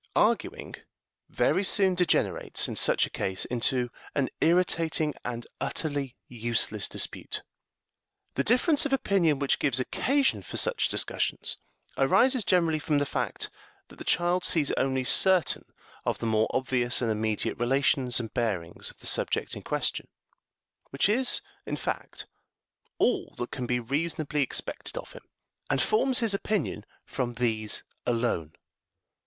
Arguing very soon degenerates, in such a case, into an irritating and utterly useless dispute. The difference of opinion which gives occasion for such discussions arises generally from the fact that the child sees only certain of the more obvious and immediate relations and bearings of the subject in question, which is, in fact, all that can be reasonably expected of him, and forms his opinion from these alone.